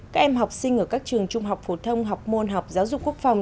các em học sinh ở các trường trung học phổ thông học môn học giáo dục quốc phòng